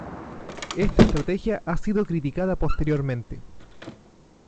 Esta estrategia ha sido criticada posteriormente.